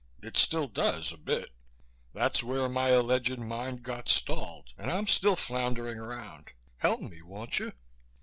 It still does a bit. That's where my alleged mind got stalled and I'm still floundering around. Help me, won't you?"